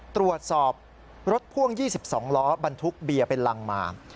ตรวจสอบรถพ่วง๒๒ล้อบรรทุกเบียร์เป็นรังมา